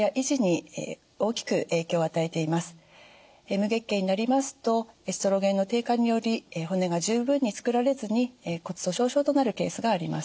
無月経になりますとエストロゲンの低下により骨が十分につくられずに骨粗しょう症となるケースがあります。